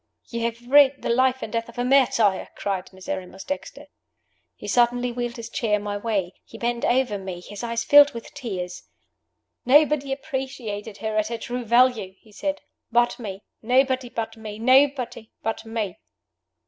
"You have read the life and death of a martyr!" cried Miserrimus Dexter. He suddenly wheeled his chair my way; he bent over me; his eyes filled with tears. "Nobody appreciated her at her true value," he said, "but me. Nobody but me! nobody but me!"